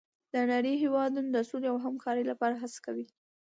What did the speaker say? د نړۍ هېوادونه د سولې او همکارۍ لپاره هڅه کوي.